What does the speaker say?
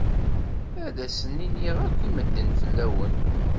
Ad asen-iniɣ akk i medden fell-awen.